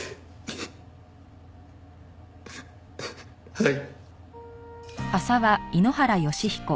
はい。